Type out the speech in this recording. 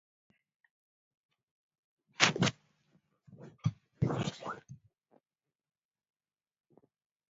kii jumamos, tariik tuptem ak angwan kilay karit sait agenge kingebendi olin bo Marakwet